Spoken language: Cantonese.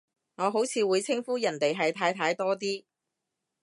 我好似會稱呼人哋係太太多啲